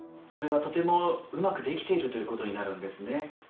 それはとてもうまくできているということになるんですね。